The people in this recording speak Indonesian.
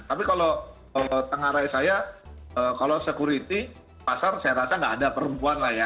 tapi kalau tengah raya saya kalau security pasar saya rasa nggak ada perempuan lah ya